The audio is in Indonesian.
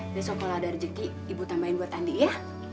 besok kalau ada rezeki ibu tambahin buat andi ya